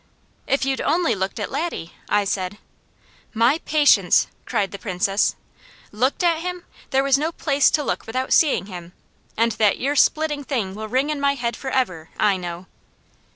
"If you'd only looked at Laddie," I said. "My patience!" cried the Princess. "Looked at him! There was no place to look without seeing him. And that ear splitting thing will ring in my head forever, I know."